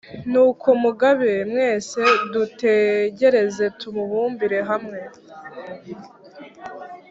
nuko mugabe mwese!du tugerezetubumbire hamwe